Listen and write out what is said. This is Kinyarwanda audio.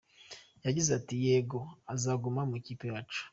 Yagize ati “Yego azaguma mu ikipe yacu.